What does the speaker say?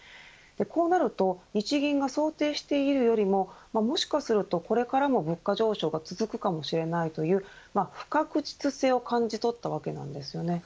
こうなると日銀が想定しているよりももしかすると、これからも物価上昇が続くかもしれないという不確実性を感じ取ったわけなんです。